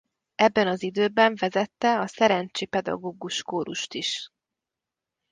Ebben az időben vezette a szerencsi pedagógus kórust is.